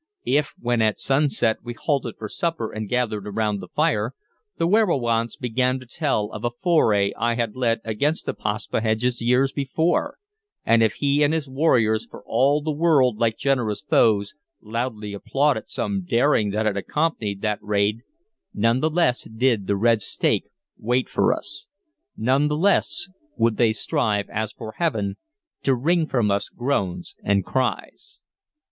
If, when at sunset we halted for supper and gathered around the fire, the werowance began to tell of a foray I had led against the Paspaheghs years before, and if he and his warriors, for all the world like generous foes, loudly applauded some daring that had accompanied that raid, none the less did the red stake wait for us; none the less would they strive, as for heaven, to wring from us groans and cries.